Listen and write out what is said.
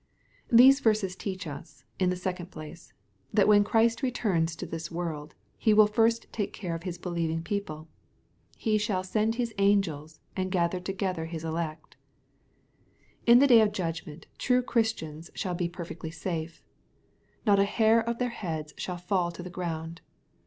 These verses teach us, in the second place, that when Christ returns to this world, He will first taTce care of His believing people. He shall "send. his angels," and "gather together his elect." In the day of judgment true Christians shall bo per a MATTHEW, CHAP. XXIV. 328 fectly safe. / Not a Imir of their heads shall fall to the ground.